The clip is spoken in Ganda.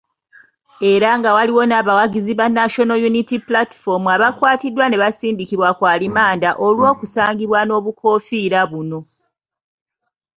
Era nga waliwo n'abawagizi ba National Unity Platform abaakwatiddwa nebasindikibwa ku alimanda olw'okusangibwa n'obukoofiira buno.